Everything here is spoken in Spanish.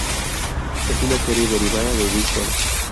Es una serie derivada de "Guy Code".